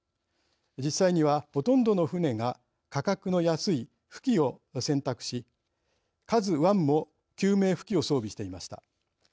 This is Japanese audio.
実際には、ほとんどの船が価格の安い浮器を選択し「ＫＡＺＵＩ」も救命浮器を装備していました。